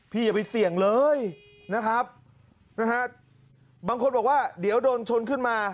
อย่าไปเสี่ยงเลยนะครับนะฮะบางคนบอกว่าเดี๋ยวโดนชนขึ้นมา